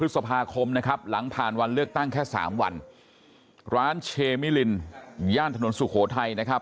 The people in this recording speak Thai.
พฤษภาคมนะครับหลังผ่านวันเลือกตั้งแค่สามวันร้านเชมิลินย่านถนนสุโขทัยนะครับ